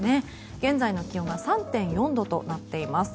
現在の気温が３．４度となっています。